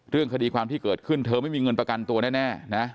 เรื่องคดีความที่เกิดขึ้นเธอไม่มีเงินประกันตัวแน่นะ